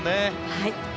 はい。